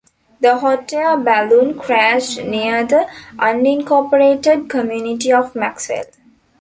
The hot air balloon crashed near the unincorporated community of Maxwell.